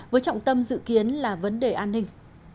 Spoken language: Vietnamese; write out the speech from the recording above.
với trọng tâm dự kiến là vấn đề an ninh